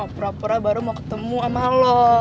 pura pura baru mau ketemu sama lo